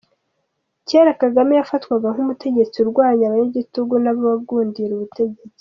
Cyera Kagame yafatwaga nk’umutegetsi urwanya abanyagitugu n’abagundira ubutegetsi.